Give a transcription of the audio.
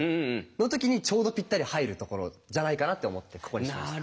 の時にちょうどぴったり入るところじゃないかなって思ってここにしました。